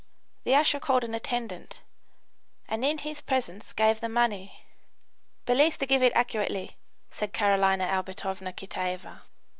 The usher called an attendant, and in his presence gave the money. "Belease to giff it accurately," said Carolina Albertovna Kitaeva.